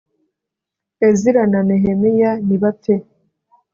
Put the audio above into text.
ezira na nehemiya ni bapfe